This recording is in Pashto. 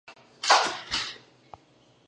ملالۍ یو خوب لیدلی وو.